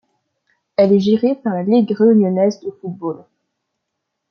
Elle est gérée par la Ligue réunionnaise de football.